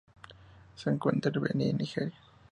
Se encuentra en Benín y Nigeria.